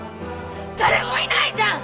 誰もいないじゃん！